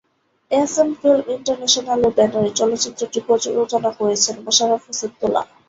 S M film ইন্টারন্যাশনালের ব্যানারে চলচ্চিত্রটি প্রযোজনা করেছেন মোশারফ হোসেন তুলা।